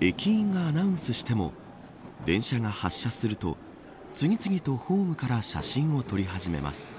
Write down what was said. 駅員がアナウンスしても電車が発車すると次々とホームから写真を撮り始めます。